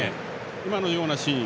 今のようなシーン。